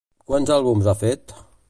Quants àlbums ha fet?